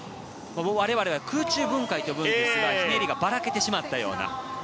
我々は空中分解と呼ぶんですがひねりがばらけてしまったような。